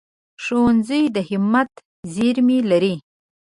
ښوونځی د همت زېرمې لري